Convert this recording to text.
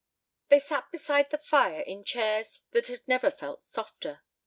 XIX They sat beside the fire in chairs that had never felt softer.